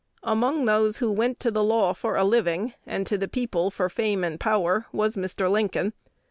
Among those who went to the law for a living, and to the people for fame and power, was Mr. Lincoln.